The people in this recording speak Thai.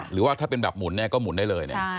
หรือว่าถ้าเป็นแบบหมุนก็หมุนได้เลย